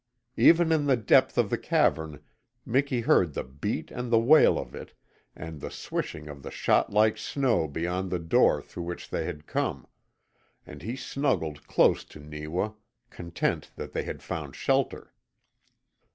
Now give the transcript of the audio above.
Even in the depth of the cavern Miki heard the beat and the wail of it and the swishing of the shot like snow beyond the door through which they had come, and he snuggled close to Neewa, content that they had found shelter.